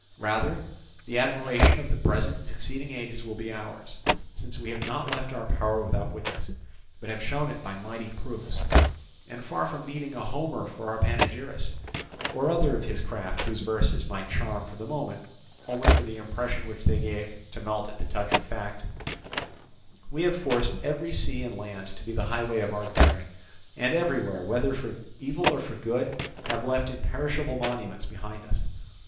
Rather, the admiration of the present and succeeding ages will be ours, since we have not left our power without witness, but have shown it by mighty proofs; and far from needing a Homer for our panegyrist, or other of his craft whose verses might charm for the moment only for the impression which they gave to melt at the touch of fact, we have forced every sea and land to be the highway of our daring, and everywhere, whether for evil or for good, have left imperishable monuments behind us.